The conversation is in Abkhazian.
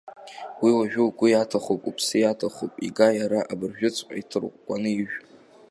Уи уажәы угәы иаҭахуп, уԥсы иаҭахуп, ига иара абыржәыҵәҟьа, иҭыркәкәаны ижә.